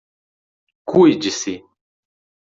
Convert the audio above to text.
Cuide-se